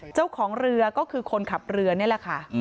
เจ้าของเรือก็คือคนขับเรือนี่แหละค่ะ